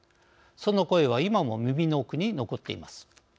その声は今も耳の奥に残っています。